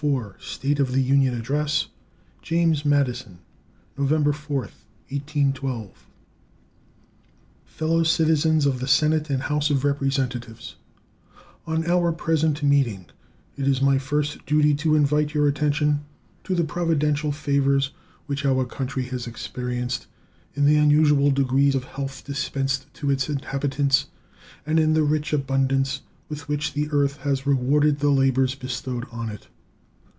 State of the Union Address James Madison November 4, 1812 Fellow Citizens of the Senate and House of Representatives: On our present meeting it is my first duty to invite your attention to the providential favors which our country has experienced in the unusual degree of health dispensed to its inhabitants, and in the rich abundance with which the earth has rewarded the labors bestowed on it.